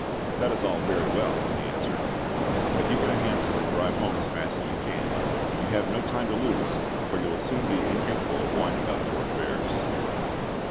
"That is all very well," he answered, "but you get a hansom and drive home as fast as you can. You have no time to lose, for you will soon be incapable of winding up your affairs."